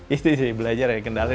itu sih belajar ya kendala di situ